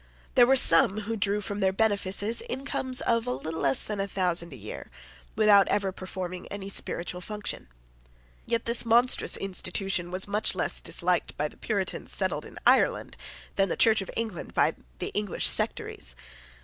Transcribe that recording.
There were some who drew from their benefices incomes of little less than a thousand a year, without ever performing any spiritual function. Yet this monstrous institution was much less disliked by the Puritans settled in Ireland than the Church of England by the English sectaries.